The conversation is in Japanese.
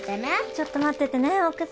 ちょっと待っててねお薬。